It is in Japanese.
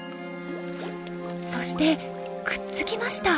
そしてくっつきました。